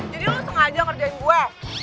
jadi lo sengaja ngerjain gue